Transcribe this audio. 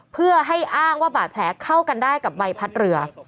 เพื่อให้อ้างว่าบาดแผลเข้ากันได้กับใบพัดเรือ